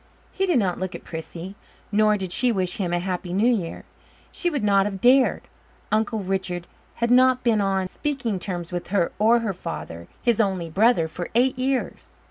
He did not look at Prissy, nor did she wish him a happy New Year; she would not have dared. Uncle Richard had not been on speaking terms with her or her father, his only brother, for eight years.